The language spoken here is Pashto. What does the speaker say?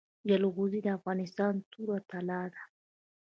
جلغوزي د افغانستان توره طلا ده